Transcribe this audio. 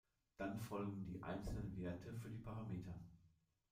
Dann folgen die einzelnen Werte für die Parameter.